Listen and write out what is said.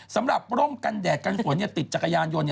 ร่มกันแดดกันฝนติดจักรยานยนต์